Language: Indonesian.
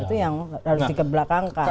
itu yang harus dikebelakangkan